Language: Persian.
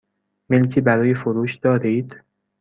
ملکی برای فروش دارید؟